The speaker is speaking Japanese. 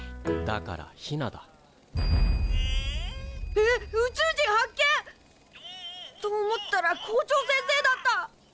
えっ宇宙人発見！と思ったら校長先生だった！